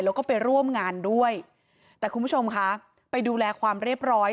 แล้วก็ไปร่วมงานด้วยแต่คุณผู้ชมคะไปดูแลความเรียบร้อย